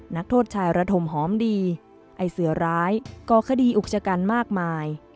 นักโทษชายระถมหอมดีไอ้เสือร้ายก่อคดีอุกชกันมากมาย